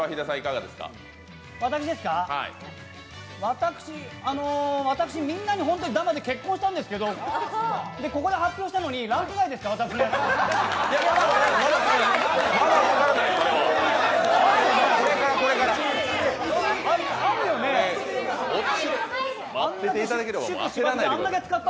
私みんなに本当に黙って結婚したんですけど、ここで発表したのにランク外でした。